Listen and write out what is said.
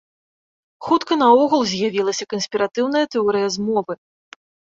Хутка наогул з'явілася канспіратыўная тэорыя змовы.